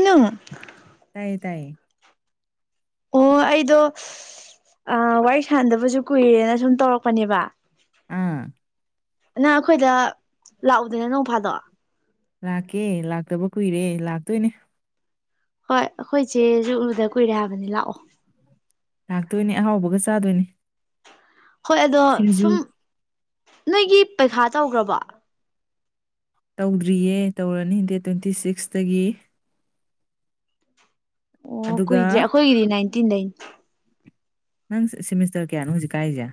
ꯏꯩꯅꯪ ꯇꯥꯏꯌꯦ ꯇꯥꯏꯌꯦ ꯑꯣ ꯑꯩꯗꯣ ꯋꯥꯔꯤ ꯁꯥꯟꯗꯕꯁꯨ ꯀꯨꯏꯔꯦꯅ ꯁꯨꯝ ꯇꯧꯔꯛꯄꯅꯦꯕ ꯑꯥ ꯅꯪ ꯑꯩꯈꯣꯏꯗ ꯂꯥꯛꯎꯗꯅꯦ ꯅꯣꯡꯐꯥꯗꯣ ꯂꯥꯛꯀꯦ ꯂꯥꯛꯇꯕ ꯀꯨꯏꯔꯦ ꯂꯥꯛꯇꯣꯏꯅꯦ ꯍꯣꯏ ꯑꯩꯈꯣꯏꯁꯦ ꯂꯨꯗ ꯀꯨꯏꯔꯦ ꯍꯥꯏꯕꯅꯤ ꯂꯥꯛꯑꯣ ꯂꯥꯛꯇꯣꯏꯅꯦ ꯑꯍꯥꯎꯕꯒ ꯆꯥꯗꯣꯏꯅꯤ ꯍꯣꯏ ꯑꯗꯣ ꯁꯨꯝ ꯅꯣꯏꯒꯤ ꯄꯩꯈꯥ ꯇꯧꯈ꯭ꯔꯕꯣ ꯇꯧꯗ꯭ꯔꯤꯌꯦ ꯇꯧꯔꯅꯤ ꯗꯦꯠ ꯇ꯭ꯋꯦꯟꯇꯤ ꯁꯤꯛꯁꯇꯒꯤ ꯑꯣ ꯑꯗꯨꯒ ꯀꯨꯏꯗ꯭ꯔꯦ ꯑꯩꯈꯣꯏꯒꯤꯗꯤ ꯟꯅꯩ ꯅꯪ ꯁꯤꯦꯃꯤꯁꯇꯔ ꯀꯌꯥꯅꯣ ꯍꯧꯖꯤꯛ ꯀꯥꯏꯔꯤꯁꯦ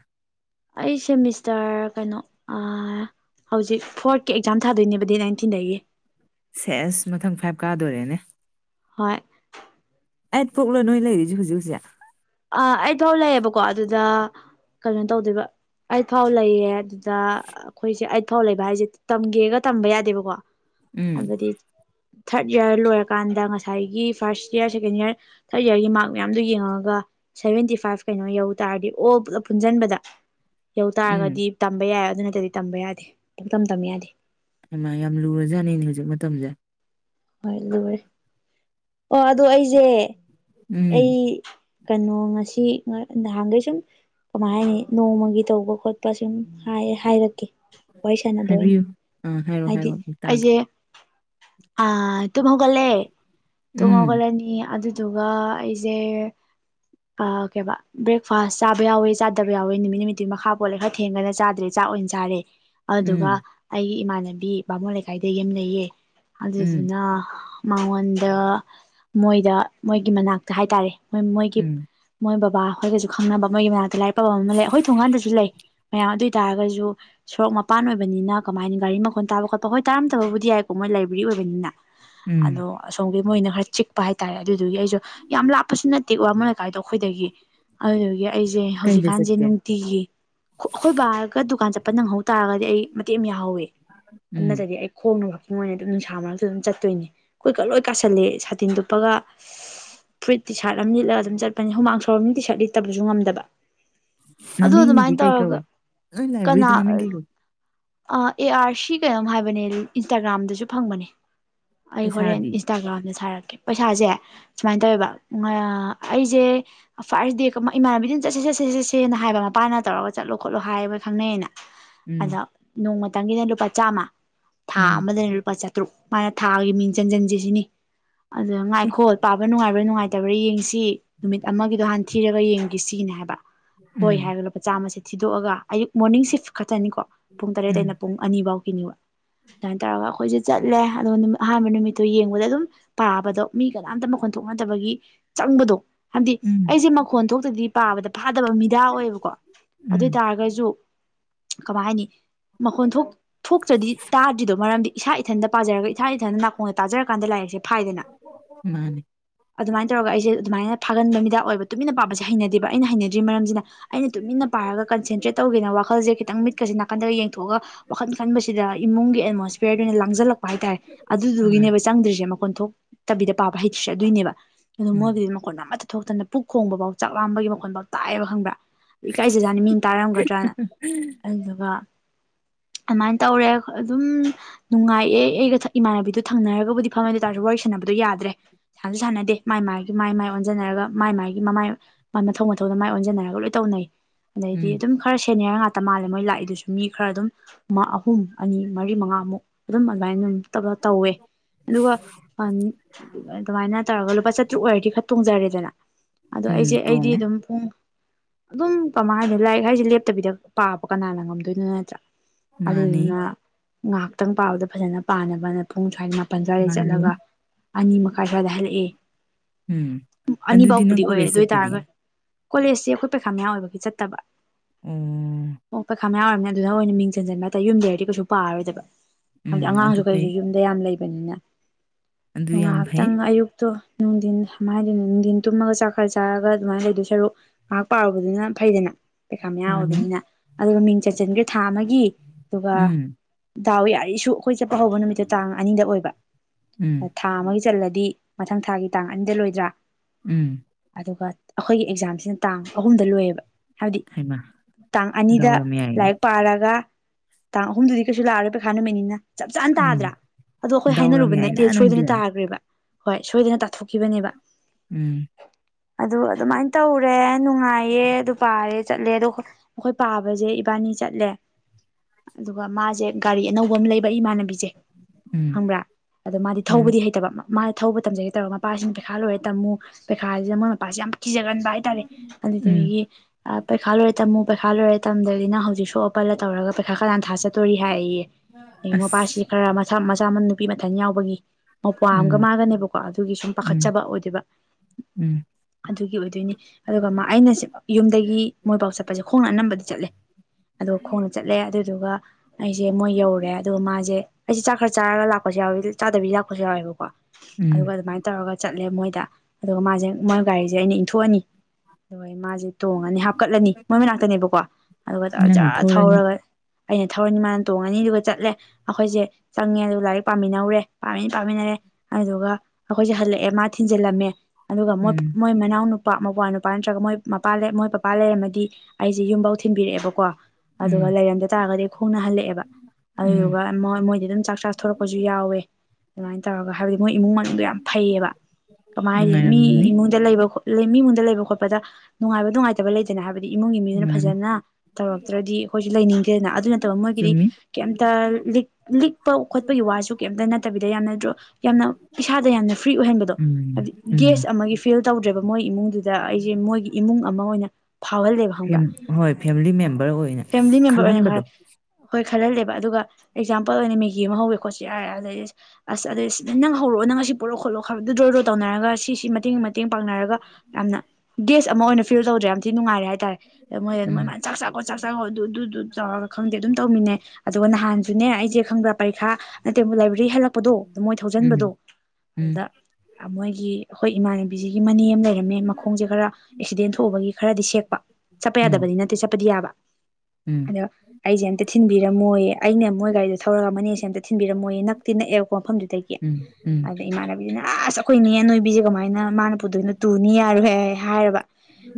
ꯑꯩ ꯁꯦꯃꯤꯁꯇꯔ ꯀꯩꯅꯣ ꯍꯧꯖꯤꯛ ꯐꯣꯔꯠꯀꯤ ꯑꯦꯛꯖꯥꯝ ꯊꯥꯗꯣꯏꯅꯦꯕꯗꯤ ꯅꯥꯏꯟꯇꯤꯟꯗꯒꯤ ꯁꯦꯁ ꯃꯊꯪ ꯐꯥꯏꯚ ꯀꯥꯗꯣꯔꯦꯅꯦ ꯅꯦ ꯍꯣꯏ ꯑꯩ ꯄꯣꯛꯂꯣꯏ ꯅꯣꯏ ꯂꯩꯔꯤꯁꯤꯦ ꯍꯧꯖꯤꯛ ꯍꯧꯖꯤꯛ ꯑ ꯑꯩ ꯐꯥꯎ ꯂꯩꯌꯦꯦꯕꯀꯣ ꯑꯗꯨꯗ ꯀꯩꯅꯣ ꯇꯧꯗꯣꯏꯕ ꯑꯩꯠ ꯐꯥꯎ ꯂꯩꯌꯦ ꯑꯗꯨꯗ ꯑꯩꯈꯣꯏꯁꯦ ꯑꯩꯠ ꯐꯥꯎ ꯂꯩꯕ ꯍꯥꯏꯁꯦ ꯇꯝꯒꯦꯒ ꯇꯝꯕ ꯌꯥꯗꯦꯕꯀꯣ ꯎꯝ ꯑꯕꯗꯤ ꯊꯥꯔꯠ ꯏꯌꯥꯔ ꯂꯣꯏꯔꯀꯥꯟꯗ ꯉꯁꯥꯏꯒꯤ first year second year third ꯏꯌꯥꯔꯒꯤ ꯃꯥꯔꯛ ꯃꯌꯥꯝꯗꯨꯣ ꯌꯦꯡꯉꯒ ꯁꯚꯦꯟꯇꯤ ꯐꯥꯏꯚ ꯀꯩꯅꯣ ꯌꯧ ꯇꯥꯔꯗꯤ ꯑꯣ ꯄꯨꯂꯞ ꯄꯨꯟꯁꯤꯟꯕꯗ ꯌꯧ ꯎꯝ ꯇꯥꯔꯒꯗꯤ ꯇꯝꯕ ꯌꯥꯏ ꯑꯗꯨ ꯅꯠꯇꯗꯤ ꯇꯝꯕ ꯌꯥꯗꯦ ꯑꯗꯨꯝꯇ ꯇꯝ ꯌꯥꯗꯦ ꯏꯃ ꯌꯥꯝ ꯂꯨꯔꯖꯥꯠꯅꯤꯅꯦ ꯍꯧꯖꯤꯛ ꯃꯇꯝꯁꯦ ꯍꯣꯏ ꯂ ꯑꯣ ꯑꯣ ꯑꯩꯁꯦ ꯑꯩ ꯎꯝ ꯀꯩꯅꯣ ꯉꯁꯤ ꯅꯍꯥꯟꯈꯩ ꯁꯨꯝ ꯀꯃꯥꯏ ꯍꯥꯏꯅꯤ ꯅꯣꯡꯃꯒꯤ ꯇꯧꯕ ꯈꯣꯠꯄ ꯁꯨꯝ ꯍꯥꯏꯔꯛꯀꯦ ꯋꯥꯔꯤ ꯁꯥꯟꯅꯕ ꯑꯣꯏꯅ ꯍꯥꯏꯕꯤꯌꯨ ꯑꯥ ꯍꯥꯏꯔꯣ ꯍꯥꯏꯗꯤ ꯍꯥꯏꯔꯣ ꯑꯩ ꯇꯥꯒꯦ ꯑꯩꯁꯦ ꯑ ꯇꯨꯃꯒꯂꯦ ꯇ ꯎꯝ ꯃꯒꯅꯤ ꯑꯗꯨ ꯑꯗꯨꯒ ꯑꯩꯁꯦ ꯀꯩꯕꯥ ꯕ꯭ꯔꯦꯛꯐꯥꯁ ꯆꯥꯕ ꯌꯥꯎꯋꯦ ꯆꯥꯗꯕ ꯌꯥꯎꯋꯦ ꯅꯨꯃꯤꯠ ꯅꯨꯃꯤꯠꯨ ꯃꯈꯥ ꯄꯣꯜꯂꯦ ꯈꯔ ꯊꯦꯡꯒꯅ ꯆꯥꯗ꯭ꯔꯦ ꯆꯥꯛ ꯑꯣꯏꯅ ꯆꯥꯔꯦ ꯑꯗꯨꯒ ꯎꯝ ꯑꯩꯒꯤ ꯏꯃꯥꯟ ꯆꯅꯕꯤ ꯕꯥꯃꯣꯟ ꯂꯩꯀꯥꯏꯗꯒꯤ ꯑꯃ ꯂꯩꯌꯦ ꯎꯝ ꯑꯗꯨꯗꯨꯅ ꯃꯉꯣꯟꯗ ꯃꯣꯏꯗ ꯃꯣꯏꯒꯤ ꯃꯅꯥꯛꯇ ꯍꯥꯏꯇꯥꯔꯦ ꯃꯣꯏ ꯎꯝ ꯃꯣꯏꯕꯥ ꯑꯩꯈꯣꯏꯒꯁꯨ ꯈꯪꯅꯕ ꯃꯣꯏꯒꯤ ꯃꯌꯥꯝꯛꯇ ꯂꯥꯏꯛ ꯑꯃ ꯂꯩ ꯑꯩꯈꯣꯏ ꯊꯣꯡꯒꯥꯟꯗꯁꯨ ꯂꯩ ꯃꯌꯥꯝ ꯑꯗꯨꯏ ꯍꯥꯏ ꯇꯥꯔꯒꯁꯨ ꯁꯣꯔꯣꯛ ꯃꯄꯥꯟ ꯑꯣꯏꯕꯅꯤꯅ ꯀꯃꯥꯏꯅ ꯒꯥꯔꯤ ꯃꯈꯣꯟ ꯇꯥꯕ ꯄꯈꯣꯏ ꯇꯥꯔꯝꯗꯕꯕꯨꯗꯤ ꯌꯥꯏꯀꯣ ꯃꯣꯏ ꯂꯩꯕ ꯃꯤꯑꯣꯏꯕꯅꯤꯅꯥ ꯎꯝ ꯑꯗꯣ ꯑꯁꯣꯝꯒꯤ ꯃꯣꯏꯅ ꯈꯔ ꯆꯤꯛꯄ ꯍꯥꯏꯇꯥꯔꯦ ꯑꯗꯨꯗꯨꯒꯤ ꯑꯩꯁꯨ ꯌꯥꯝ ꯂꯥꯞꯄꯁꯨ ꯅꯠꯇꯦ ꯋꯥ ꯑꯃꯣꯏꯅ ꯀꯥꯏꯗꯣ ꯑꯩꯈꯣꯏꯗꯒꯤ ꯑꯗꯨꯗꯒꯤ ꯑꯩꯁꯦ ꯀꯩꯗ ꯍꯧꯖꯤꯛꯀꯥꯟꯁꯦ ꯆꯠꯀꯦ ꯅꯨꯡꯇꯤꯒꯤ ꯑꯩꯈꯣꯏ ꯕꯥꯔꯒ ꯗꯨꯀꯥꯟ ꯆꯠꯄ ꯄ ꯅꯪꯍꯧ ꯇꯥꯔꯒꯗꯤ ꯑꯩ ꯃꯇꯦꯡ ꯌꯥꯑꯣ ꯍꯥꯎꯋꯦ ꯑꯗꯨ ꯎꯝ ꯅꯠꯇ꯭ꯔꯗꯤ ꯑꯩ ꯈꯣꯡꯅ ꯍꯣꯏ ꯅꯨꯡꯁꯥ ꯃꯔꯛꯇ ꯑꯗꯨꯝ ꯆꯠꯇꯣꯏꯅꯦ ꯑꯩꯈꯣꯏ ꯈꯔ ꯂꯣꯏ ꯀꯥꯁꯜꯂꯦ ꯁꯥꯇꯤꯟ ꯇꯨꯞꯄꯒ ꯐꯨꯔꯤꯠ ꯇꯤꯔꯠ ꯑꯃ ꯂꯤꯠꯂꯒ ꯑꯗꯨꯝ ꯆꯠꯄ ꯍꯨꯃꯥꯡꯁꯨ ꯁꯣꯔꯝ ꯗꯤ ꯁꯔꯠ ꯂꯤꯇꯕꯁꯨ ꯉꯝꯗꯕ ꯑꯗꯣ ꯃꯃꯤꯡꯗꯤ ꯑꯗꯨꯃꯥꯏꯅ ꯀꯩ ꯇꯧꯔꯒ ꯀꯧꯏ ꯅ ꯂꯥꯏꯕ꯭ꯔꯦꯔꯤꯗꯤ ꯃꯃꯤꯡ ꯀꯩ ꯀꯧꯏ ꯑ ꯑꯦ ꯑꯥꯔ ꯁꯤ ꯀꯩꯅꯣꯝ ꯍꯥꯏꯕꯅꯦ ꯏꯟꯁꯇꯥꯒ꯭ꯔꯥꯝꯗꯁꯨ ꯐꯪꯕꯅꯦ ꯑꯩ ꯍꯣꯔꯦꯟ ꯄꯩꯁꯥꯗꯤ ꯏꯟꯁꯇꯥꯒ꯭ꯔꯥꯝꯗ ꯁꯥꯔꯛꯒꯦ ꯄꯩꯁꯥꯁꯦ ꯁꯨꯃꯥꯏꯅ ꯇꯧꯋꯦꯕ ꯑꯩꯁꯦ ꯐꯥꯔꯁ ꯗꯦ ꯏꯃꯥꯟꯅꯕꯤꯗꯨꯅ ꯆꯠꯁꯦ ꯆꯠꯁꯦ ꯆꯠꯁꯦꯅ ꯍꯥꯏꯕ ꯃꯄꯥꯥꯟꯅ ꯇꯧꯔꯒ ꯆꯠꯂꯣ ꯈꯣꯠꯂꯣ ꯍꯥꯏꯕ ꯈꯪꯅꯩꯌꯦꯩꯅ ꯎꯝ ꯅꯣꯡꯃꯇꯪꯒꯤꯅ ꯂꯨꯄꯥ ꯆꯥꯝꯃ ꯎꯝ ꯊꯥ ꯑꯃꯗ ꯂꯨꯄꯥ ꯆꯥꯇ꯭ꯔꯨꯛ ꯃꯥꯅ ꯊꯥꯒꯤ ꯃꯤꯡ ꯆꯟꯁꯤꯟꯁꯤ ꯁꯤꯅꯤ ꯑꯗ ꯑꯦ ꯉꯥꯏꯈꯣꯜꯥꯕ ꯅꯨꯡꯉꯥꯏꯕ꯭ꯔꯥ ꯅꯨꯡꯉꯥꯏꯇ꯭ꯔꯥ ꯌꯦꯡ ꯑꯁꯤ ꯅꯨꯃꯤꯠ ꯑꯃꯒꯤꯗꯣ ꯍꯥꯟꯊꯤꯔꯒ ꯌꯦꯡꯉ ꯑꯩ ꯁꯤꯅꯦ ꯍꯥꯏꯕ ꯍꯣꯏ ꯎꯝ ꯍꯥꯏꯔꯒ ꯂꯨꯄꯥ ꯆꯥꯝꯃ ꯊꯤꯗꯣꯛꯑꯒ ꯑꯌꯛ ꯃꯣꯔꯅꯤꯡ ꯁꯤꯐ ꯈꯠꯆꯅꯤꯀꯣ ꯇꯔꯦꯠ ꯑꯩꯅ ꯎꯝ ꯄꯨꯡ ꯑꯅꯤ ꯎ ꯀ ꯅ ꯇꯔ ꯍꯁ ꯆꯠꯂꯦ ꯑꯗꯣ ꯅꯨ ꯑꯍꯥꯟꯕ ꯅꯨꯃꯤꯠꯇꯣ ꯌꯦꯡꯕꯗ ꯑꯗꯨꯝ ꯄꯥꯕꯗꯣ ꯃꯤ ꯀꯅꯥꯝꯇ ꯃꯈꯣꯟ ꯊꯣꯛꯅꯗꯕꯒꯤ ꯆꯪꯕꯗꯣ ꯍꯥꯏꯗꯤ ꯎꯝ ꯑꯩꯁꯦ ꯃꯈꯣꯟ ꯊꯣꯛ ꯕꯗ ꯐꯥꯗꯕ ꯃꯤꯗꯥ ꯑꯣꯏꯌꯦꯕꯀꯣ ꯑꯗꯨ ꯑꯣꯏ ꯎꯝ ꯇꯔꯒꯁꯨ ꯀꯃꯥꯏꯅꯤ ꯃꯈꯣꯟ ꯊꯣꯛ ꯊꯣꯛꯇ꯭ꯔꯗꯤ ꯇꯥ꯭ꯔꯤꯗꯣ ꯃꯔꯝꯗꯤ ꯏꯁꯥ ꯏꯊꯟꯇ ꯄꯥꯖꯔꯒ ꯏꯁꯥ ꯏꯊꯟꯗ ꯅꯥꯀꯣꯡꯗ ꯇꯥꯖꯔꯀꯥꯟꯗ ꯂꯥꯏꯔꯤꯛꯁꯦ ꯁꯦ ꯐꯥꯏꯗꯅ ꯃꯥꯅꯤ ꯑꯗꯨꯃꯥꯏꯅ ꯇꯧꯔꯒ ꯑꯩꯁꯦ ꯑꯗꯨꯃꯥꯏꯅ ꯐꯥꯒꯟꯕ ꯃꯤꯗꯥꯏ ꯑꯣꯏꯕ ꯇꯨꯃꯤꯟꯅ ꯄꯥꯕꯁꯦ ꯍꯩꯅꯗꯦꯕ ꯑꯩꯅ ꯍꯩꯅꯗ꯭ꯔꯤ ꯃꯔꯝꯁꯤꯅ ꯑꯩꯅ ꯇꯨꯃꯤꯟꯅ ꯄꯥꯔꯒ ꯀꯟꯁꯦꯟꯇ꯭ꯔꯦꯠ ꯇꯧꯒꯦꯅ ꯋꯥꯈꯜꯁꯦ ꯈꯤꯇꯪ ꯃꯤꯠꯀꯁꯤꯅ ꯅꯥꯀꯟꯗꯒ ꯌꯦꯡꯊꯣꯛꯑꯒ ꯋꯥꯈꯜ ꯈꯟꯕꯁꯤꯗ ꯏꯃꯨꯡꯒꯤ ꯑꯦꯠꯃꯣꯁꯐꯤꯌꯔꯗꯨꯅ ꯂꯥꯡꯁꯤꯜꯂꯛꯄ ꯍꯥꯏꯇꯥꯔꯦ ꯃꯥꯅꯤ ꯑꯗꯨꯗꯨꯒꯤꯅꯦꯕ ꯆꯪꯗ꯭ꯔꯤꯁꯦ ꯃꯈ ꯑꯣꯣꯟꯊꯣꯛꯇꯕꯤꯗ ꯄꯥꯕ ꯍꯩꯇ꯭ꯁꯦ ꯑꯗꯨꯏꯅꯦꯕ ꯑꯗꯨ ꯎꯝ ꯃꯒ ꯏ ꯃ ꯀꯣꯟ ꯃ ꯑꯊꯣꯛ ꯍꯊꯗ ꯄꯨꯛ ꯈꯣꯡꯕꯐꯥꯎ ꯆꯥꯛ ꯂꯥꯝꯕꯒꯤ ꯃꯈꯣꯟꯐꯥꯎ ꯇꯥꯏꯑꯕ ꯈꯪꯕ꯭ꯔꯥ ꯏꯀꯥꯏꯁꯤꯦ ꯖꯥꯠꯅꯤ ꯃꯤꯅ ꯇꯥꯔꯝꯒꯗ꯭ꯔꯅ ꯑꯗꯨꯗꯨꯒ ꯑꯗꯨꯃꯥꯏꯅ ꯇꯧꯔꯦ ꯑꯗꯨꯝ ꯅꯨꯡꯉꯥꯏꯌꯦ ꯑꯩꯒ ꯏꯃꯥꯟꯅꯕꯤꯗꯨ ꯊꯪꯅꯔꯒꯕꯨꯗꯤ ꯐꯝꯃ ꯑꯗꯨ ꯑꯣꯏ ꯇꯥꯔꯁꯨ ꯋꯥꯔꯤ ꯁꯥꯟꯅꯕꯗꯣ ꯌꯥꯗ꯭ꯔꯦ ꯁꯥꯟꯅꯁꯨ ꯁꯥꯟꯅꯗꯦ ꯃꯥꯏ ꯃꯥꯥꯏꯒꯤ ꯃꯥꯏ ꯃꯥꯏ ꯑꯣꯟꯖꯅꯔꯒ ꯃꯥꯏ ꯃꯥꯥꯏꯒꯤ ꯃꯃꯥꯏ ꯃꯥ ꯃꯊꯧ ꯃꯊꯧꯗ ꯃꯥꯏ ꯑꯣꯟꯁꯤꯟꯅꯔꯒ ꯂꯣꯏ ꯇꯧꯅꯩ ꯑꯗꯩꯗꯤ ꯎꯝ ꯑꯗꯨꯝ ꯈꯔ ꯁꯦꯅꯤꯌꯔ ꯉꯥꯛꯇ ꯇ ꯃꯥꯜꯂꯦ ꯃꯣꯏ ꯂꯥꯛꯏꯗꯨꯁꯨ ꯃꯤ ꯈꯔ ꯑꯗꯨꯝ ꯑꯍꯨꯝ ꯑꯅꯤ ꯃꯔꯤ ꯃꯉꯥꯃꯨꯛ ꯑꯗꯨꯝ ꯑꯗꯨꯃꯥꯏꯅ ꯑꯗꯨꯝ ꯇꯧꯋꯦ ꯑꯗꯨꯒ ꯑꯗꯨꯃꯥꯏꯅ ꯇꯧꯔꯒ ꯂꯨꯄꯥ ꯆꯥꯇ꯭ꯔꯨꯛ ꯑꯣꯏꯔꯗꯤ ꯈꯔ ꯇꯣꯡꯖꯔꯦꯗꯅ ꯑꯗꯣ ꯎꯝ ꯑꯩꯁꯦ ꯑꯩꯗꯤ ꯇꯣꯡꯉꯦ ꯑꯗꯨꯝ ꯄꯨꯡ ꯑꯗꯨꯝ ꯀꯃꯥꯏ ꯍꯥꯏꯗꯤ ꯂꯥꯏꯔꯤꯛ ꯍꯥꯏꯁꯦ ꯂꯦꯞꯇꯕꯤꯗ ꯄꯥꯕ ꯀꯅꯥꯅ ꯉꯝꯗꯦ ꯑꯗꯨꯗꯨꯅ ꯃꯥꯅꯤ ꯑꯗꯨꯟꯅ ꯉꯥꯏꯍꯥꯛꯇꯪ ꯄꯥꯕꯗ ꯐꯖꯅ ꯄꯥꯅꯕꯅ ꯄꯨꯡ ꯁ꯭ꯋꯥꯏ ꯄꯟꯖꯗꯦ ꯃꯥꯅꯤ ꯆꯠꯂꯒ ꯑꯅꯤ ꯃꯈꯥ ꯁ꯭ꯋꯥꯗ ꯍꯜꯂꯛꯑꯦ ꯎꯝ ꯑꯗꯨꯗꯤ ꯑꯅꯤꯐꯥꯎꯕꯨꯗꯤ ꯅꯪ ꯑꯣꯏꯔꯦ ꯀꯣꯂꯦꯖ ꯑꯗꯨ ꯆꯠꯄ꯭ꯔꯗꯤ ꯑꯣꯏꯇꯥꯔꯒ ꯀꯣꯂꯦꯖꯁꯦ ꯑꯩꯈꯣꯏ ꯄꯩꯈꯥꯝꯌꯥ ꯑꯣꯏꯕꯒꯤ ꯆꯠꯇꯕ ꯎꯝ ꯈꯥꯝ ꯌꯥꯎꯔꯕꯅꯤ ꯑꯗꯨꯅ ꯑꯣꯏꯅ ꯃꯤꯡ ꯆꯟꯁꯤꯟꯕ ꯌꯨꯝꯗꯔꯗꯤ ꯀꯩꯁꯨ ꯄꯥꯔꯣꯏꯗꯕ ꯍꯥꯏꯕꯗꯤ ꯎꯝ ꯑꯉꯥꯡꯁꯨ ꯑꯗꯨ ꯐꯩ ꯀꯩꯁꯨ ꯌꯨꯝꯗ ꯌꯥꯝ ꯂꯩꯕ ꯅ ꯑꯗꯨ ꯌꯥꯝ ꯐꯩ ꯉꯥꯏꯍꯥꯛꯇꯪ ꯑꯌꯨꯛꯇꯣ ꯅꯨꯡꯊꯤꯟ ꯍꯥꯏꯗꯤꯅ ꯅꯨꯡꯊꯤꯟ ꯇꯨꯝꯃꯒ ꯆꯥꯛ ꯈꯔ ꯆꯥꯔꯒ ꯑꯗꯨꯃꯥꯏꯅ ꯂꯩꯗꯣꯏ ꯁꯔꯨꯛ ꯃꯍꯥꯛ ꯄꯥꯎꯔꯨꯕꯗꯨꯅ ꯐꯩꯗꯅ ꯄꯩꯈꯥ ꯃꯌꯥ ꯃꯥꯅꯤ ꯑꯣꯏꯕꯅꯤꯅ ꯑꯗꯨꯒ ꯃꯤꯡ ꯆꯟꯁꯤꯟꯒ꯭ꯔꯦ ꯊꯥ ꯑꯃꯒꯤ ꯑꯗꯨꯒ ꯎꯝ ꯇꯥꯎ ꯌꯥꯔꯤꯁꯨ ꯑꯩꯈꯣꯏ ꯆꯠꯄ ꯍꯧꯕ ꯅꯨꯃꯤꯠꯇꯣ ꯇꯥꯡ ꯑꯅꯤꯗ ꯑꯣꯏꯕ ꯎꯝ ꯊꯥ ꯑꯃꯒꯤ ꯆꯠꯂꯗꯤ ꯗꯤ ꯃꯊꯪ ꯊꯥꯒꯤ ꯇꯥꯡ ꯑꯅꯤꯗ ꯂꯣꯏꯗ꯭ꯔꯥ ꯎꯝ ꯑꯗꯨꯒ ꯑꯩꯈꯣꯏꯒꯤ ꯑꯦꯛꯖꯥꯝꯁꯤꯅ ꯇꯥꯡ ꯑꯍꯨꯝꯗ ꯂꯣꯏꯌꯦꯕ ꯍꯥꯏꯕꯗꯤ ꯍꯩꯃ ꯇꯥꯡ ꯗꯥꯎ ꯑꯅꯤꯗ ꯌꯥꯝ ꯌꯥꯏꯌꯦ ꯂꯥꯏꯛ ꯄꯥꯔꯒ ꯇꯥꯡ ꯑꯍꯨꯝꯗꯨꯗꯤ ꯀꯩꯁꯨ ꯂꯥꯛꯔꯣꯏ ꯄꯩꯈꯥ ꯅꯨꯃꯤꯠꯅꯤꯅ ꯆꯞ ꯆꯥꯅ ꯎꯝ ꯇꯥꯗ꯭ꯔꯥ ꯑꯗꯣ ꯑꯩꯈꯣꯏ ꯗꯥꯎ ꯌꯥꯝ ꯍꯥꯏꯅꯔꯨꯕ ꯅꯠꯇꯦ ꯌꯥꯏꯅ ꯅꯣꯏꯗꯤ ꯁꯣꯏꯗꯅ ꯇꯥꯈ꯭ꯔꯦꯕ ꯍꯣꯏ ꯁꯣꯏꯗꯅ ꯇꯥꯊꯣꯛ ꯈꯤꯕꯅꯦꯕ ꯎꯝ ꯑꯗꯨ ꯑꯗꯨꯃꯥꯏꯅ ꯇꯧꯔꯦ ꯅꯨꯡꯉꯥꯏꯌꯦ ꯑꯗꯨ ꯄꯥꯔꯦ ꯆꯂꯦꯗ ꯑꯩꯈꯣꯏ ꯄꯥꯕꯁꯦ ꯏꯕꯥꯅꯤ ꯆꯠꯂꯦ ꯑꯗꯨꯒ ꯃꯥꯁꯦ ꯒꯥꯔꯤ ꯑꯅꯧꯕ ꯑꯃ ꯂꯩꯕ ꯏꯃꯥꯟꯅꯕꯤꯁꯦ ꯎꯝ ꯈꯪꯕ꯭ꯔꯥ ꯑꯗꯣ ꯃꯥꯗꯤ ꯎꯝ ꯊꯧꯕꯗꯤ ꯍꯩꯇꯕ ꯃꯥꯅ ꯊꯧꯕ ꯇꯝꯖꯩ ꯍꯦ ꯇ ꯃꯄꯥꯁꯤꯡꯅ ꯄꯩꯈꯥ ꯂꯣꯏꯔ ꯇꯝꯃꯨ ꯄꯩꯈꯥꯁꯤꯁꯦ ꯃꯣꯏ ꯃꯄꯥꯁꯦ ꯌꯥꯝ ꯀꯤꯖꯒꯟꯕ ꯍꯥꯏꯇꯥꯔꯦ ꯎꯝ ꯑꯗꯨꯗꯒꯤ ꯄꯩꯈꯥ ꯂꯣꯏꯔꯦ ꯇꯥꯃꯨꯛ ꯜ ꯂꯔ ꯇꯝꯗ꯭ꯔꯅꯤ ꯍꯧꯛꯁꯨ ꯑꯣꯄꯜꯂꯧꯔꯒ ꯄꯩꯁꯥ ꯈꯗꯥꯅꯥꯅ ꯊꯥ ꯆꯠ ꯏꯁꯇꯣꯔꯤ ꯍꯥꯏꯌꯦ ꯑꯩ ꯑꯁ ꯃꯄꯥꯁꯤ ꯈꯔ ꯃ ꯃꯆꯥ ꯃ ꯅꯨꯄꯤ ꯃꯊꯟ ꯌꯥꯎꯕꯒꯤ ꯃꯧꯄ꯭ꯋꯥꯝꯒ ꯎꯝ ꯃꯥꯒꯅꯦꯕꯀꯣ ꯑꯗꯨꯒꯤ ꯁꯨꯝ ꯎꯝ ꯄꯥꯈꯠꯆꯕ ꯑꯣꯏꯗꯣꯏꯕ ꯎꯝ ꯑꯗꯨꯒꯤ ꯑꯣꯏꯗꯣꯏꯅꯤ ꯑꯗꯨꯒ ꯃꯥ ꯑꯩꯅ ꯌꯨꯝꯗꯒꯤ ꯃꯣꯏ ꯄꯥꯎ ꯆꯠ ꯁꯦ ꯈꯣꯡꯅ ꯑꯅꯝꯕꯗꯤ ꯆꯠꯂꯦ ꯑꯗꯨꯒꯣ ꯈꯣꯡꯅ ꯆꯠꯂꯦ ꯑꯗꯨꯏꯗꯨꯒ ꯑꯩꯁꯦ ꯃꯣꯏ ꯌꯧꯔꯦ ꯑꯗꯨꯒ ꯃꯥꯁꯦ ꯑꯩꯁꯦ ꯆꯥꯛ ꯈꯔ ꯆꯥꯔꯒ ꯂꯥꯛꯄꯁꯨ ꯌꯥꯎꯋꯦ ꯆꯥꯗꯕꯤ ꯂꯥꯛꯄꯁꯨ ꯌꯥꯎꯋꯦꯕꯀꯣ ꯎꯝ ꯑꯗꯨꯒ ꯑꯗꯨꯃꯥꯏꯅ ꯇꯧꯔꯒ ꯆꯠꯂꯦ ꯃꯣꯏꯗ ꯑꯗꯨꯒ ꯃꯥꯁꯦ ꯃꯣꯏ ꯒꯥꯔꯤꯁꯦ ꯑꯩꯅ ꯏꯟꯊꯣꯛꯑꯅꯤ ꯑꯗꯨꯒ ꯃꯥꯁꯦ ꯇꯣꯡꯉꯅꯤ ꯍꯥꯞꯀꯠꯂꯅꯤ ꯉꯥꯛꯅꯦꯕꯀꯣ ꯑꯗꯨꯒꯖ ꯅꯪꯅ ꯊꯧꯔꯅꯤ ꯊꯧꯔꯒ ꯑꯩꯅ ꯊꯧꯔꯅꯤ ꯃꯥꯅ ꯇꯣꯡꯉꯅꯤ ꯑꯗꯨꯒ ꯆꯠꯂꯦ ꯑꯩꯈꯣꯏꯁꯦ ꯆꯪꯉꯌꯥ ꯂꯂ ꯋꯥꯔꯤꯦ ꯄꯥꯝ ꯔꯦ ꯄꯥꯃꯤꯟꯅ ꯄꯥꯃꯤꯟꯅꯔꯦ ꯑꯗꯨꯗꯨꯒ ꯑꯩꯈꯣꯏꯁꯦ ꯍꯜꯂꯛꯑꯦ ꯃꯥ ꯊꯤꯟꯖꯤꯜꯂꯝꯃꯦ ꯑꯗꯨꯒ ꯃꯣꯏ ꯎꯝ ꯃꯣꯏ ꯃꯅꯥꯎꯅ ꯅꯨꯄꯥ ꯃꯧꯄ꯭ꯋꯥ ꯅꯨꯄꯥ ꯅꯠꯇ꯭ꯔꯒ ꯃꯣꯏ ꯃꯄꯥ ꯂꯩ ꯃꯣꯏ ꯃꯄꯥ ꯂꯩꯔꯝꯃꯗꯤ ꯑꯩꯁꯦ ꯌꯨꯝꯐꯧ ꯊꯤꯟꯕꯤꯔꯛꯑꯦꯕꯀꯣ ꯑꯗꯨꯒ ꯎꯝ ꯂꯩꯔꯝꯗ ꯇꯥꯔꯒꯗꯤ ꯈꯣꯡꯅ ꯍꯜꯂꯛꯑꯦꯕ ꯎꯝ ꯑꯗꯨꯗꯨꯒ ꯃꯣꯏꯗꯤ ꯑꯗꯨꯝ ꯆꯥꯛ ꯆꯥ ꯊꯣꯔꯛꯄꯁꯨ ꯌꯥꯎꯋꯦ ꯑꯗꯨꯃꯥꯏꯅ ꯇꯧꯔꯒ ꯍꯥꯏꯕꯗꯤ ꯃꯣꯏ ꯏꯃꯨꯡ ꯃꯅꯨꯡ ꯌꯥꯝ ꯐꯩꯌꯦꯕ ꯀꯃꯥꯏ ꯍꯥꯏꯗꯤ ꯃꯤ ꯅꯨꯡꯉꯥꯏꯔꯝꯅꯤ ꯏꯃꯨꯡꯗ ꯂꯩꯕ ꯂꯩ ꯃꯤ ꯃꯣꯟꯗ ꯂꯩꯕꯣ ꯅꯨꯡꯉꯥꯏꯕ ꯅꯨꯡꯉꯥꯏꯇꯕ ꯂꯩ ꯍꯥꯏꯕꯗꯤ ꯏꯃꯨꯡꯒꯤ ꯃꯤꯗꯨꯅ ꯃꯥꯅꯤ ꯐꯖꯅ ꯇꯧꯔꯛꯇ꯭ꯔꯗꯤ ꯑꯩꯈꯣꯏꯁꯨ ꯂꯩꯅꯤꯡꯗꯦꯗꯅ ꯑꯗꯨ ꯅꯠꯇꯕ ꯃꯣꯏꯒꯤꯗꯤ ꯆꯨꯝꯃꯤ ꯀꯩꯝꯇ ꯂꯤꯛꯄ ꯈꯣꯠꯄꯒꯤ ꯋꯥꯁꯨ ꯀꯩꯝꯇ ꯅꯠꯇꯕꯤꯗ ꯌꯥꯝꯅ ꯌꯥꯝꯅ ꯏꯁꯥꯗ ꯌꯥꯝꯅ ꯐ꯭ꯔꯤ ꯑꯣꯏꯍꯟꯕꯗꯣ ꯎꯝ ꯍꯥꯏꯕꯗꯤ ꯎꯝ ꯒꯦꯁ ꯑꯃꯒꯤ ꯐꯤꯜ ꯇꯧꯗ꯭ꯔꯦꯕ ꯃꯣꯏ ꯏꯃꯨꯡꯗꯨꯗ ꯑꯩꯁꯦ ꯃꯣꯏꯒꯤ ꯏꯃꯨꯡ ꯑꯃ ꯑꯣꯏꯅ ꯐꯥꯎꯍꯜꯂꯦꯕ ꯈꯪꯕ꯭ꯔꯥ ꯐꯦꯝ ꯍꯣꯏ ꯐꯦꯃꯤꯂꯤ ꯃꯦꯝꯕꯔ ꯑꯣꯏꯅ ꯐꯦꯃꯤꯂꯤ ꯃꯦꯝꯕꯔ ꯑꯣꯏꯅ ꯈꯔ ꯈꯜꯍꯟꯕꯗꯣ ꯍꯣꯏ ꯈꯜꯍꯂꯦꯕ ꯑꯗꯨꯒ ꯑꯦꯛꯖꯥꯝꯄꯜ ꯑꯣꯏꯅ ꯃꯦꯒꯤ ꯑꯃ ꯍꯧꯋꯦ ꯈꯣꯠꯁꯦ ꯌꯥꯔꯦ ꯑꯗꯩꯗꯤ ꯑꯁ ꯑꯗꯩ ꯁꯤꯗ ꯅꯪ ꯍꯧꯔꯛꯑꯣ ꯅꯪ ꯑꯁꯤ ꯄꯨꯔꯛ ꯈꯣꯠꯂꯣ ꯈꯗꯣ ꯗ꯭ꯔꯣ ꯗ꯭ꯔꯣ ꯇꯧꯅꯔꯒ ꯁꯤ ꯁꯤꯁꯤ ꯃꯇꯦꯡ ꯃꯇꯦꯡ ꯄꯥꯡꯅꯔꯒ ꯌꯥꯝꯅ ꯒꯦꯁ ꯑꯃ ꯑꯣꯏꯅ ꯐꯤꯜ ꯇꯧꯗꯔꯦ ꯌꯥꯝꯝ ꯅꯨꯡꯉꯥꯏ ꯌꯦ ꯍꯥꯏꯇꯥꯔꯦ꯫ ꯃꯣꯏ ꯑꯗꯨ ꯃ ꯎꯝ ꯃꯥꯅ ꯆꯥꯛ ꯆꯥꯒꯣ ꯆꯥꯛ ꯆꯥꯛ ꯑꯗꯨ ꯑꯗꯨꯗꯨ ꯆꯥꯎꯔꯒ ꯈꯪꯗꯦ ꯑꯗꯨꯝ ꯇꯧꯃꯤꯅꯦ ꯑꯗꯨꯒ ꯅꯍꯥꯟꯁꯨ ꯑꯗꯨꯅꯦ ꯑꯩꯁꯦ ꯈꯪꯕ꯭ꯔꯥ ꯄꯔꯤꯈꯥ ꯅꯠꯇꯦ ꯂꯥꯏꯕ꯭ꯔꯦꯔꯤ ꯍꯜꯂꯛꯄꯗꯣ ꯑꯗꯨ ꯃꯣꯏ ꯎꯝ ꯊꯧꯖꯤꯟꯕꯗꯣ ꯎꯝ ꯑꯗꯨꯗ ꯃꯣꯏꯒꯤ ꯑꯩꯈꯣꯏ ꯏꯃꯥꯟꯅꯕꯤꯁꯤꯒꯤ ꯃꯅꯦ ꯑꯃ ꯂꯩꯔꯝꯃꯦ ꯃꯈꯣꯡꯁꯦ ꯈꯔ ꯑꯦꯛꯁꯤꯗꯦꯟ ꯊꯣꯛꯑꯕ ꯈꯔꯗꯤ ꯁꯦꯛꯄ ꯆꯠꯄ ꯌꯥꯗꯕꯗꯤ ꯅꯠꯇꯦ ꯆꯠꯄꯗꯤ ꯌꯥꯕ ꯎꯝ ꯑꯗꯣ ꯑꯩꯁꯦ ꯑꯃꯝꯇ ꯊꯤꯟꯕꯤꯔꯝꯃꯣꯏꯌꯦ ꯑꯩꯅ ꯃꯣꯏ ꯒꯥꯔꯤꯗꯣ ꯊꯧꯔꯒ ꯃꯅꯦꯁꯦ ꯑꯝꯇ ꯊꯤꯟꯕꯤꯔꯝꯃꯣꯏꯌꯦ ꯅꯛꯇꯤ ꯅꯛꯑꯦꯕꯀꯣ ꯃꯐꯝꯗꯨꯗꯒꯤ ꯎꯝ ꯎꯝ ꯎꯝ ꯑꯗ ꯏꯃꯥꯟꯅꯕꯤꯗꯨꯅ ꯑ ꯍꯣꯏꯅꯤ ꯅꯣꯏꯕꯤ ꯀꯃꯥꯏꯅ ꯃꯥꯟꯄꯗꯅꯣ ꯇꯨꯅꯤꯔ ꯍꯦꯦꯛ ꯍꯥꯏꯔꯕ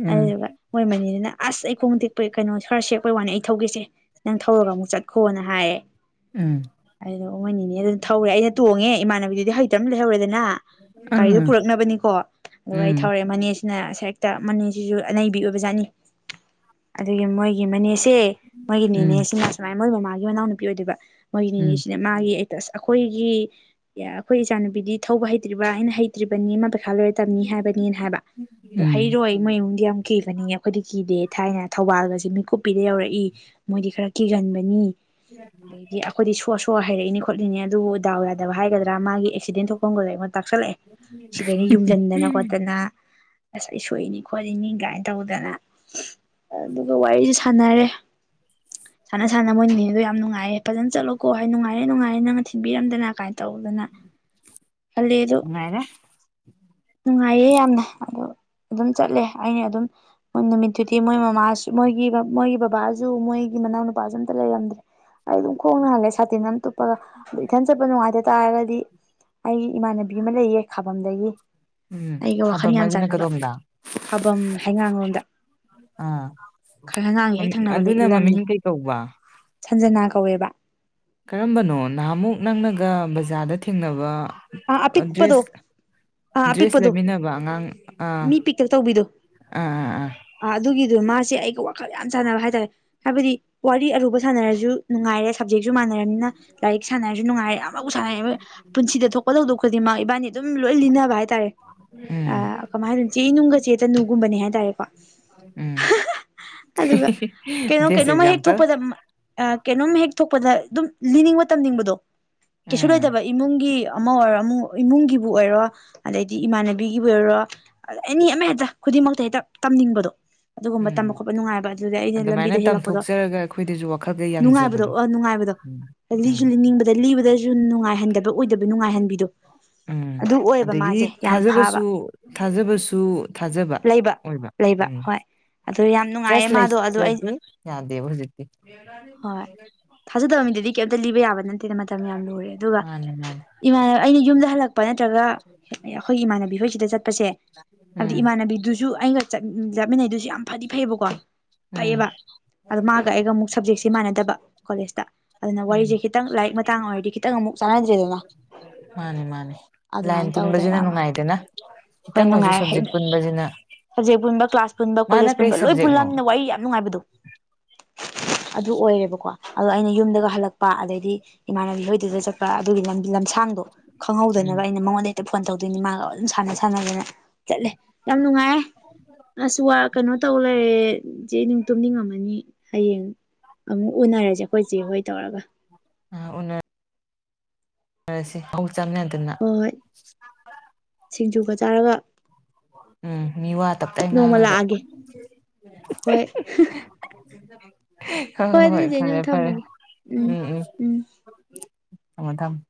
ꯎꯝ ꯎꯝ ꯎꯝ ꯑꯗꯨꯗꯨꯒ ꯃꯣꯏ ꯃꯅꯤꯗꯨꯅ ꯑꯁ ꯑꯩꯈꯣꯡ ꯇꯦꯛꯄ ꯀꯩꯅꯣ ꯈꯔ ꯁꯦ ꯑꯩꯈꯣꯏ ꯋꯥꯅꯤ ꯑꯩ ꯊꯧꯒꯦꯁꯦ ꯅꯪ ꯊꯧꯔꯒ ꯑꯃꯨꯛ ꯆꯠꯈꯣꯅ ꯍꯥꯏꯌꯦ ꯎꯝ ꯃꯣꯏ ꯅꯤꯅꯦ ꯗꯨꯅꯥ ꯊꯧꯔꯦ ꯑꯩꯅ ꯇꯣꯡꯉꯦ ꯏꯃꯥꯟꯅꯕꯤꯗꯨꯗꯤ ꯍꯩꯇꯕꯅ ꯂꯩꯍꯧꯔꯦꯗꯅ ꯒꯥꯔꯤꯗꯣ ꯄꯨꯔꯛꯅꯕꯅꯤꯀꯣ ꯑꯗꯨꯒ ꯑꯩ ꯊꯧꯔꯛꯑꯦ ꯃꯅꯦꯁ ꯁ ꯍꯦꯛꯇ ꯃꯅꯤ ꯁꯤꯁꯨ ꯑꯅꯩꯕꯤ ꯑꯣꯏꯕ ꯖꯥꯠꯅꯤ ꯑꯗꯨꯒꯤ ꯃꯣꯏꯒꯤ ꯃꯅꯦ ꯁꯤꯡ ꯏꯦ ꯃꯣꯏꯒꯤ ꯎꯝ ꯎꯝ ꯅꯦꯅꯦ ꯁꯤꯅ ꯁꯨꯃꯥꯏꯅ ꯃꯣꯏ ꯃꯃꯥꯒꯤ ꯃꯅꯥꯎ ꯅꯨꯄꯤ ꯑꯣꯏꯗꯣꯏꯕ ꯎꯝ ꯑꯣꯏꯅꯤꯡꯉꯤ ꯁꯤꯗ ꯃꯥꯒꯤ ꯁ ꯑꯩꯈꯣꯏꯒꯤ ꯑꯩꯈꯣꯏ ꯏꯆꯥꯅꯨꯕꯤꯗꯤ ꯊꯧꯕ ꯍꯩꯇ꯭ꯔꯤꯕ ꯑꯩꯅ ꯍꯩꯇ꯭ꯔꯤꯕꯅꯤ ꯑꯃ ꯈꯥꯂꯣꯏ ꯇꯝꯅꯤ ꯍꯥꯏꯕꯅꯤꯅ ꯍꯥꯏꯕ ꯑꯣ ꯎꯝ ꯍꯩꯔꯣꯏ ꯅꯨꯡꯗꯤ ꯌꯥꯝ ꯀꯤꯒꯅꯤꯉꯦ ꯑꯩꯈꯣꯏꯗꯤ ꯀꯤꯗꯦ ꯊꯥꯏꯅ ꯊꯧꯕꯥꯜꯒꯁꯦ ꯃꯤꯀꯨꯞꯄꯤꯗ ꯌꯧꯔꯛꯏ ꯃꯣꯏꯗꯤ ꯈꯔ ꯀꯤꯒꯟꯕꯅꯤ ꯑꯗꯩꯗꯤ ꯑꯩꯈꯣꯏꯗꯤ ꯁꯣꯁ ꯍꯍꯥꯏꯔꯛꯏꯅꯤ ꯈꯣꯠꯂꯤꯅꯦ ꯑꯗꯨꯕꯨ ꯗꯥꯎ ꯌꯥꯗꯕ ꯍꯥꯏꯒꯗ꯭ꯔꯥ ꯃꯥꯒꯤ ꯑꯦꯛꯁꯤꯗꯦꯟ ꯊꯣꯛꯄ ꯀꯨꯡ ꯇꯥꯛꯁꯜꯂꯛꯑꯦ ꯁꯤꯗꯅ ꯌꯨꯡꯁꯤꯟꯗꯅ ꯈꯣꯠꯇꯅ ꯁꯁꯨꯣꯏꯅꯤ ꯈꯣꯠꯂꯤ ꯃꯤ ꯀꯃꯥꯏꯅ ꯇꯧꯗꯅ ꯑꯗꯨꯒ ꯋꯥꯔꯤꯁꯨ ꯁꯥꯟꯅꯔꯦ ꯁꯥꯟꯅ ꯁꯥꯟꯅ ꯃꯣꯏꯅ ꯃꯤꯗꯣ ꯌꯥꯝ ꯅꯨꯡꯉꯥꯏꯌꯦꯦ ꯐꯖꯅ ꯆꯠꯂꯣꯀꯣ ꯍꯥꯏ ꯅꯨꯡꯉꯥꯏꯔꯦ ꯅꯨꯡꯉꯥꯏꯔꯦ ꯅꯪꯅ ꯊꯤꯟꯕꯤꯔꯝꯗꯅ ꯀꯃꯥꯏꯅ ꯇꯧꯗꯅ ꯈꯜꯂꯦ ꯑꯗꯣ ꯅꯨꯡꯥꯏꯔ ꯅꯨꯡꯉꯥꯏꯌꯦ ꯌꯥꯝꯅ ꯑꯗꯣ ꯑꯗꯨꯝ ꯆꯠꯂꯦ ꯑꯩꯅ ꯑꯗꯨꯝ ꯃꯣꯏ ꯅꯨꯃꯤꯠꯇꯨꯗꯤ ꯃꯣꯏ ꯃꯃꯥꯁꯨ ꯃꯣꯏꯒꯤ ꯃꯣꯏꯒꯤ ꯕꯕꯥꯁꯨ ꯃꯣꯏꯒꯤ ꯃꯅꯥꯎ ꯅꯨꯄꯥꯁꯨ ꯑꯝꯇ ꯂꯩꯔꯝꯗ꯭ꯔꯦ ꯑꯩ ꯑꯗꯨꯝ ꯈꯣꯡꯅꯍꯜꯂꯦ ꯁꯥꯇꯤꯟ ꯇꯨꯞꯞꯄꯒ ꯑꯗꯨ ꯏꯊꯟ ꯆꯠꯄ ꯅꯨꯡꯉꯥꯏꯇ ꯇꯥꯔꯒꯗꯤ ꯑꯩꯒꯤ ꯏꯃꯥꯟꯅꯕꯤ ꯑꯃ ꯂꯩꯌꯦ ꯈꯥꯕꯝꯗꯒꯤ ꯎꯝ ꯑꯩꯒ ꯋꯥꯈꯜ ꯌꯥꯝ ꯑꯄꯥꯃꯒꯤꯅ ꯀ ꯆꯥꯟꯅꯕ ꯇꯣꯗ ꯈꯥꯕꯝ ꯍꯩꯉꯥꯡ ꯂꯣꯝꯗ ꯑꯥ ꯍꯩꯉꯥꯡ ꯍꯦꯛ ꯊꯪꯅꯕ ꯑꯗꯨꯅ ꯂꯝꯅꯤ ꯃꯃꯤꯡ ꯀꯩ ꯀꯧꯕ ꯁꯟꯖꯅꯥ ꯀꯧꯋꯦꯕ ꯀꯔꯝꯕꯅꯣ ꯅꯍꯥꯃꯨꯛ ꯅꯪꯅꯒ ꯕꯖꯥꯔꯗ ꯊꯦꯡꯅꯕ ꯑꯥ ꯑꯄꯤꯛꯄꯗꯣ ꯗ꯭ꯔꯦꯁ ꯑꯥ ꯗ꯭ꯔꯦꯁ ꯑꯄꯤꯛꯄꯗꯣ ꯂꯩꯃꯤꯟꯅꯕ ꯑꯉꯥꯡ ꯑꯥ ꯃꯤ ꯄꯤꯛꯇꯛ ꯇꯧꯕꯤꯗꯣ ꯑꯥ ꯑꯥ ꯑꯥ ꯑꯗꯨ ꯃꯥꯁꯦ ꯑꯩꯒ ꯋꯥꯈꯜ ꯌꯥꯝ ꯁꯥꯟꯅꯕ ꯍꯥꯏꯇꯥꯔꯦ ꯍꯥꯏꯕꯗꯤ ꯋꯥꯔꯤ ꯑꯔꯨꯕ ꯁꯥꯟꯅꯔꯁꯨ ꯅꯨꯡꯉꯥꯏꯔꯦ ꯁꯞꯖꯦꯛꯁꯨ ꯃꯥꯟꯅꯔꯅꯤꯅ ꯂꯥꯏꯔꯤꯛ ꯁꯥꯟꯅ ꯍꯥꯏꯔꯁꯨ ꯅꯨꯡꯉꯥꯏꯔ ꯌꯥꯝ ꯑꯃꯨ ꯁꯥꯟꯅꯩꯑꯕ ꯄꯨꯟꯁꯤꯗ ꯊꯣꯛ ꯂꯧꯗꯣꯛꯈꯄꯗꯤ ꯃꯥ ꯏꯕꯥꯅꯤ ꯑꯗꯨꯝ ꯂꯣꯏ ꯂꯤꯟꯅꯅꯕ ꯍꯥꯏ ꯍꯥꯏꯔꯦ ꯎꯝ ꯀꯃꯥꯏ ꯍꯥꯏꯗꯅꯣ ꯆꯦ ꯅꯨꯡꯒ ꯆꯦ ꯇꯅꯨꯒꯨꯝꯕꯅꯦ ꯍꯥꯏꯇꯥꯔꯦꯀꯣ ꯎꯝ ꯑꯗꯨꯒ ꯀꯩꯅꯣ ꯕꯦꯁ ꯀꯩꯅꯣꯃ ꯍꯦꯛ ꯑꯦꯛꯖꯥꯝꯄꯜ ꯊꯣꯛꯄꯗ ꯀꯩꯅꯣꯝ ꯍꯦꯛ ꯊꯣꯛꯄꯗ ꯑꯗꯨꯝ ꯂꯤꯅꯤꯡꯕ ꯇꯝꯅꯤꯡꯕꯗꯣ ꯀꯩꯁꯨ ꯎꯝ ꯂꯩꯇꯕ ꯏꯃꯨꯡꯒꯤ ꯑꯃ ꯑꯣꯏꯔꯣ ꯑꯃ ꯏꯃꯨꯡꯒꯤꯕꯨ ꯑꯣꯏꯔꯣ ꯑꯗꯩꯗꯤ ꯏꯃꯥꯟꯅꯕꯤꯒꯤꯕꯨ ꯑꯣꯏꯔꯣ ꯑꯦꯅꯤ ꯑꯃ ꯍꯦꯛꯇ ꯈꯨꯗꯤꯡꯃꯛꯇ ꯍꯦꯛꯇ ꯇꯝꯅꯤꯡꯕꯗꯣ ꯑꯗꯨꯒꯨꯝꯕ ꯎꯝ ꯇꯝꯕ ꯈꯣꯠꯄ ꯅꯨꯡꯉꯥꯏꯕ ꯑꯗꯨꯗ ꯑꯩꯅ ꯑꯗꯨꯃꯥꯏꯅ ꯂꯝꯕꯤꯗ ꯍꯦꯜꯂꯛꯄꯗꯣ ꯇꯝꯊꯣꯛꯆꯔꯒ ꯑꯩꯈꯣꯏꯗꯁꯨ ꯋꯥꯈꯜꯗ ꯅꯨꯡꯉꯥꯏꯕꯗꯣ ꯌꯥꯡꯖꯕꯗꯣ ꯑꯣ ꯅꯨꯡꯉꯥꯏꯕꯗꯣ ꯎꯝ ꯎꯝ ꯂꯤꯁꯨ ꯂꯤꯅꯤꯡꯕꯗ ꯂꯤꯕꯗꯁꯨ ꯅꯨꯡꯉꯥꯏꯍꯟꯗꯕ ꯑꯣꯏꯗꯕ ꯅꯨꯡꯉꯥꯏꯍꯟꯕꯤꯗꯣ ꯎꯝ ꯑꯗꯨ ꯑꯣꯏꯌꯦꯕ ꯑꯗꯒꯤ ꯃꯥꯁꯦ ꯌꯥꯝ ꯐꯕ ꯊꯥꯖꯕꯁꯨ ꯊꯥꯖꯕꯁꯨ ꯊꯥꯖꯕ ꯂꯩꯕ ꯑꯣꯏꯕ ꯂꯩꯕ ꯎꯝ [inaudible] ꯍꯣꯏ ꯑꯗꯣ ꯌꯥꯝ ꯅꯨꯡꯉꯥꯏꯌꯦ ꯇ꯭ꯔꯁ ꯃꯥꯗꯣ ꯑꯗꯣ ꯑꯩ ꯂꯩꯇ꯭ꯔꯗꯤ ꯌꯥꯗꯦꯕ ꯍꯧꯖꯤꯛꯇꯤ ꯍꯣꯏ ꯊꯥꯖꯗꯕ ꯃꯤꯗꯨꯗꯤ ꯀꯩꯝꯇ ꯂꯤꯕ ꯌꯥꯕ ꯅꯠꯇ ꯃꯥꯅꯦ ꯃꯥꯅꯤ ꯏꯃꯥꯟ ꯑꯩꯅ ꯌꯨꯝꯗ ꯍꯜꯂꯛꯄ ꯅꯠꯇ꯭ꯔꯒ ꯑꯩꯈꯣꯏ ꯏꯃꯥꯟꯅꯕꯤ ꯍꯣꯏꯁꯤꯗ ꯆꯠꯄꯁꯦ ꯍꯥꯏꯕꯗꯤ ꯎꯝ ꯏꯃꯥꯟꯅꯕꯤꯗꯨꯁꯨ ꯑꯩꯒꯠ ꯌꯥꯥꯠꯃꯤꯟꯅꯩꯗꯨꯁꯨ ꯌꯥꯝ ꯐꯗꯤ ꯐꯩꯑꯕꯀꯣ ꯎꯝ ꯐꯩꯌꯦꯕ ꯑꯗ ꯃꯥꯒ ꯑꯩꯒ ꯑꯃꯨꯛ ꯁꯞꯖꯦꯛꯁꯦ ꯃꯥꯟꯅꯗꯕ ꯀꯣꯂꯦꯖꯇ ꯑꯗꯨꯅ ꯎꯝ ꯋꯥꯔꯤꯁꯦ ꯈꯤꯇꯪ ꯂꯥꯏꯔꯤꯛ ꯃꯇꯥꯡ ꯑꯣꯏꯔꯗꯤ ꯈꯤꯇꯪ ꯑꯃꯨꯛ ꯆꯥꯟꯅꯗ꯭ꯔꯦꯗꯅ ꯃꯥꯅꯤ ꯃꯥꯅꯤ ꯂꯥꯏꯟ ꯑꯗꯨꯃꯥꯏꯅ ꯄꯨꯟꯕꯁꯤꯅ ꯇꯧꯗꯅ ꯅꯨꯡꯉꯥꯏꯗꯅ ꯍꯣꯏ ꯈꯤꯇꯪ ꯑꯣꯏꯔꯁꯨ ꯅꯨꯡꯉꯥꯏꯔꯦ ꯁꯕꯖꯦꯛ ꯍꯦꯟꯅ ꯄꯨꯟꯕꯁꯤꯅ ꯁꯕꯖꯦꯛ ꯃꯥꯅ ꯀꯔꯤ ꯁꯕꯖꯦꯛꯅꯣ ꯑꯩ ꯌꯥꯝ ꯅꯨꯡꯉꯥꯏꯕꯗꯣ ꯑꯗꯨ ꯑꯣꯏꯔꯦꯕꯀꯣ ꯑꯗꯣ ꯑꯩꯅ ꯌꯨꯝꯗꯒ ꯍꯜꯂꯛꯄ ꯆꯄ ꯑꯗꯩꯗꯤ ꯏꯃꯥꯟꯅꯕꯤ ꯂꯣꯏꯗꯨꯗ ꯆꯠꯄ ꯑꯗꯨꯒꯤ ꯂꯝ ꯂꯝꯁꯥꯡꯗꯣ ꯎꯝ ꯈꯪꯍꯧꯗꯅꯕ ꯑꯩꯅ ꯃꯉꯣꯟꯗꯇ ꯐꯣꯟ ꯇꯧꯗꯣꯏꯅꯤ ꯃꯥꯒ ꯑꯗꯨꯝ ꯁ ꯁꯥꯟꯅꯒꯅꯦ ꯆꯠꯂꯦ ꯌꯥꯝ ꯅꯨꯡꯉꯥꯏ ꯑꯁꯨ ꯋꯥ ꯀꯩꯅꯣ ꯇꯧ ꯂꯩꯔꯦꯁꯦ ꯅꯤꯡꯅꯨꯡꯇꯨꯝꯅꯤꯡꯉꯝꯃꯅꯤ ꯍꯌꯦꯡ ꯑꯃꯨꯛ ꯎꯅꯔꯁꯦ ꯑꯩꯈꯣꯏ ꯆꯦ ꯍꯣꯏ ꯇꯧꯔꯒ ꯐꯁꯤ ꯆꯝ ꯑꯗꯨꯅ ꯍꯣꯏ ꯍꯣꯏ ꯁꯤꯡꯖꯨꯒ ꯆꯥꯔꯒ ꯎꯝ ꯃꯤ ꯋꯥ ꯇꯞꯇꯥꯏ ꯅꯣꯡꯃ ꯉꯥꯡꯉꯒ ꯂꯥꯛꯑꯒꯦ ꯍꯣꯏ ꯍꯣꯏ ꯍꯣ ꯍꯣꯏ ꯑꯗꯨꯗꯤ ꯆꯦ ꯐꯔꯦ ꯅꯪ ꯐꯔꯦ ꯊꯝꯃꯒꯦ ꯎꯝ ꯎꯝ ꯊꯝꯃꯣ ꯊꯝꯃꯣ